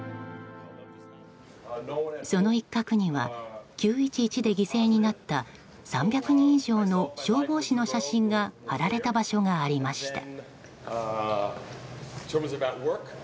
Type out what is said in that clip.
その一角には９・１１で犠牲になった３００人以上の消防士の写真が貼られた場所がありました。